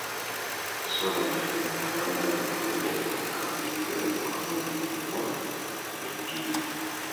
kasoro maeneo ya Rwanda na Burundi yaliyokabidhiwa mikononi mwa Ubelgiji